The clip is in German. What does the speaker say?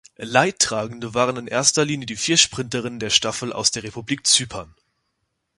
Leidtragende waren in erster Linie die vier Sprinterinnen der Staffel aus der Republik Zypern.